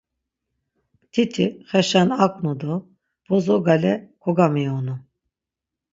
Mtiti xeşen aǩnu do bozo gale kogamiyonu.